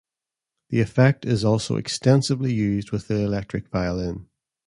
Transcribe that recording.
The effect is also extensively used with the electric violin.